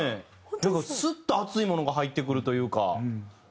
なんかスッと熱いものが入ってくるというか。